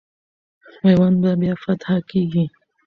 میوند به بیا فتح کېږي.